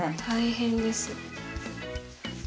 大変です。